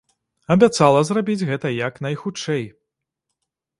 Абяцала зрабіць гэта як найхутчэй.